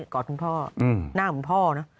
กอดคุณพ่อหน้าคุณพ่อนะ